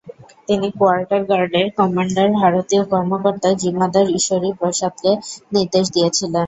তিনি কোয়ার্টার-গার্ডের কমান্ডার ভারতীয় কর্মকর্তা জিমাদার ঈশ্বরী প্রসাদকে নির্দেশ দিয়েছিলেন।